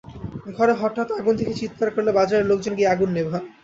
ঘরে হঠাৎ আগুন দেখে চিৎকার করলে বাজারের লোকজন গিয়ে আগুন নেভান।